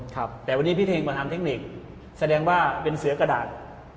ครับแต่วันนี้พี่เทงมาทำเทคนิคแสดงว่าเป็นเสือกระดาษ